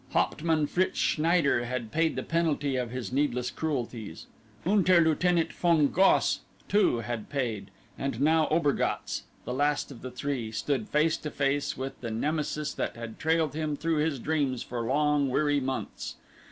Hauptmann Fritz Schneider had paid the penalty of his needless cruelties; Unter lieutenant von Goss, too, had paid; and now Obergatz, the last of the three, stood face to face with the Nemesis that had trailed him through his dreams for long, weary months.